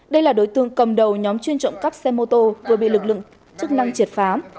đây là đối tượng cầm đầu nhóm chuyên trộm cắp xe mô tô vừa bị lực lượng chức năng triệt phá